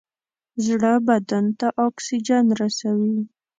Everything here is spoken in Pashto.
زړه بدن ته اکسیجن رسوي.